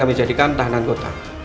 menjadikan tahanan kota